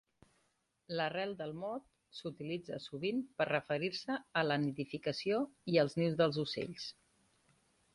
L'arrel del mot s'utilitza sovint per referir-se a la nidificació i els nius dels ocells.